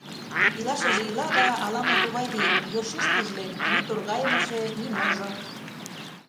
Илашыже ила да, ала-мо тугай лийын, йӧршеш пужлен: ни торгайымыже, ни можо.